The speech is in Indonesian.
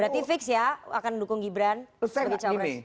berarti fix ya akan mendukung gibran sebagai cawapres